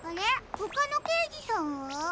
ほかのけいじさんは？